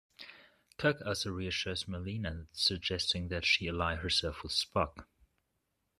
Kirk also reassures Marlena suggesting that she ally herself with Spock.